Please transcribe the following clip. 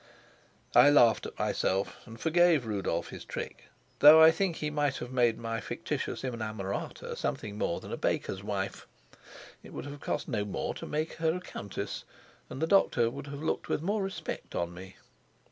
I laughed at myself, and forgave Rudolf his trick, though I think that he might have made my fictitious inamorata something more than a baker's wife. It would have cost no more to make her a countess, and the doctor would have looked with more respect on me.